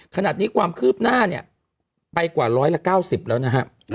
ขนาดนี้ความคืบหน้าเนี่ยไปกว่าร้อยละเก้าสิบแล้วนะฮะอ่าฮะ